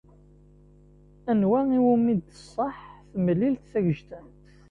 Anwa iwumi d-tṣaḥ temlilt tagejdant?